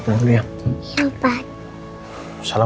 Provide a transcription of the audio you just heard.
assalamualaikum warahmatullahi wabarakatuh